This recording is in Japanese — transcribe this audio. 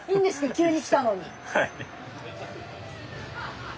急に来たのに。